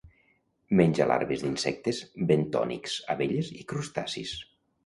Menja larves d'insectes bentònics, abelles i crustacis.